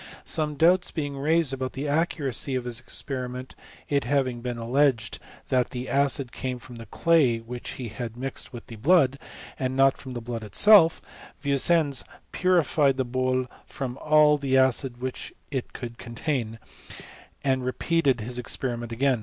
Some doubts being raised about the accuracy of his experiment, it having been alleged that the acid came from the clay which he had mixed with the blood, and not from the blood itself, Vieussens puri fied the bole from all the acid which it could contain, and repeated his experiment again.